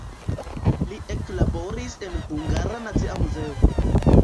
Li eklaboris en Hungara Nacia Muzeo.